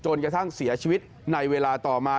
กระทั่งเสียชีวิตในเวลาต่อมา